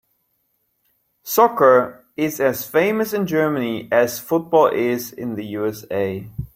Soccer is as famous in Germany as football is in the USA.